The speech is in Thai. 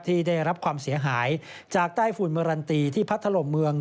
ได้รับความเสียหายจากใต้ฝุ่นเมอรันตีที่พัดถล่มเมือง